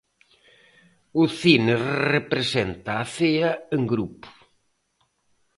O cine representa a cea en grupo.